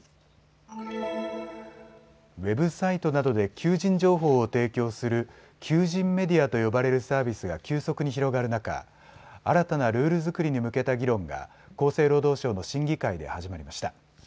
ウェブサイトなどで求人情報を提供する求人メディアと呼ばれるサービスが急速に広がる中、新たなルール作りに向けた議論が厚生労働省の審議会で始まりました。